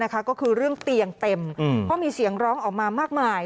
ก็คือเรื่องเตียงเต็มเพราะมีเสียงร้องออกมามากมาย